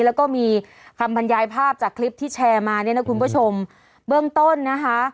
แล้วก็มีคำบรรยายภาพจากคลิปที่แชร์มาเนี่ยนะคุณผู้ชมเบื้องต้นนะคะ